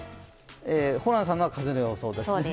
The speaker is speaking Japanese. ホランさんが風の予想です。